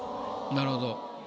なるほど。